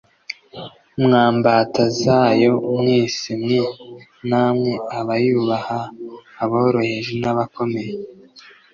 mwa mbata zayo mwese mwe, namwe abayubaha, aboroheje n’abakomeye!”